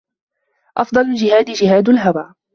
أَفْضَلُ الْجِهَادِ جِهَادُ الْهَوَى